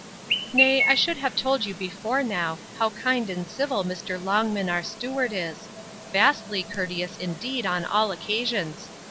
Nay, I should have told you before now, how kind and civil Mr. Longman our steward is; vastly courteous, indeed, on all occasions!